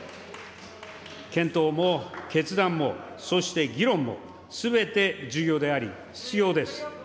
検討も決断もそして議論も、すべて重要であり、必要です。